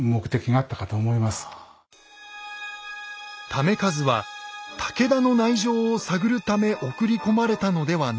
為和は武田の内情を探るため送り込まれたのではないか。